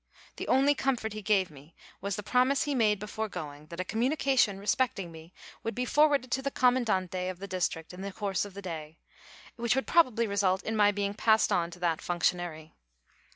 The only comfort he gave me was the promise he made before going that a communication respecting me would be forwarded to the Commandante of the district in the course of the day, which would probably result in my being passed on to that functionary.